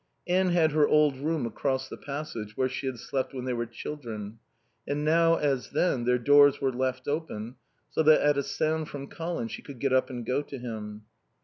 Anne had her old room across the passage where she had slept when they were children. And now, as then, their doors were left open, so that at a sound from Colin she could get up and go to him.